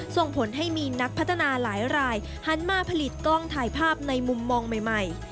ส่งผลให้มีนักพัฒนาหลายหันมาผลิตกล้องถ่ายภาพในมุมมองใหม่